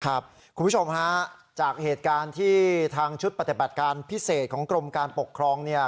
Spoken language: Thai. คุณผู้ชมฮะจากเหตุการณ์ที่ทางชุดปฏิบัติการพิเศษของกรมการปกครองเนี่ย